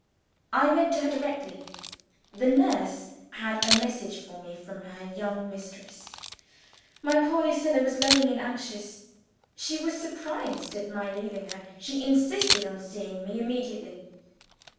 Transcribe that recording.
I went to her directly. The nurse had a message for me from her young mistress. My poor Lucilla was lonely and anxious: she was surprised at my leaving her, she insisted on seeing me immediately.